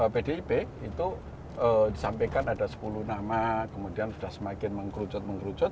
pdip itu disampaikan ada sepuluh nama kemudian sudah semakin mengkerucut mengkerucut